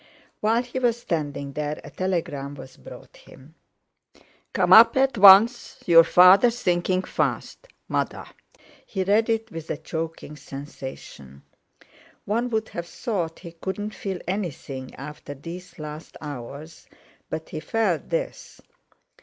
While he was standing there, a telegram was brought him. "Come up at once, your father sinking fast.—MOTHER." He read it with a choking sensation. One would have thought he couldn't feel anything after these last hours, but he felt this.